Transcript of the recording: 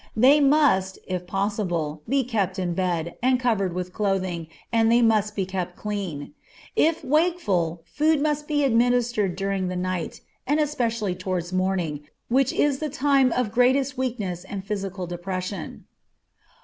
They must, if possible, be kept in bed, and covered with clothing, and they must be kept clean. If wakeful, food must be administered during the night, and especially towards morning, which is the time of greatest weakness and physical depression.